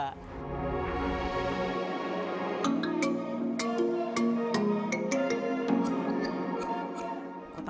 musikus jalanan di kota tua